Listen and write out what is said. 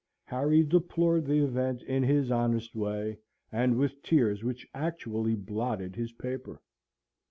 Harry deplored the event in his honest way, and with tears which actually blotted his paper.